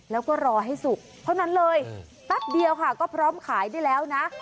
แล้วก็รอให้สุกเท่านั้นเลยแป๊บเดียวค่ะก็พร้อมขายได้แล้วนะ